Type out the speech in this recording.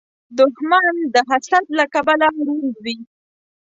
دښمن د حسد له کبله ړوند وي